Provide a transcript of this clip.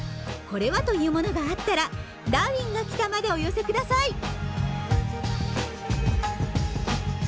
これはというものがあったら「ダーウィンが来た！」までお寄せください